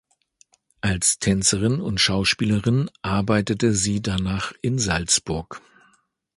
Als Tänzerin und Schauspielerin arbeitete sie danach in Salzburg.